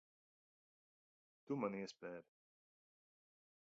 Tu man iespēri.